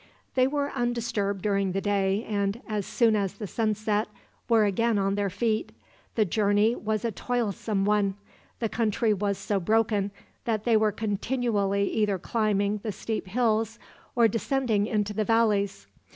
They were undisturbed during the day and, as soon as the sun set, were again on their feet. The journey was a toilsome one. The country was so broken that they were continually either climbing the steep hills or descending into the valleys.